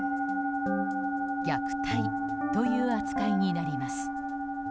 虐待という扱いになります。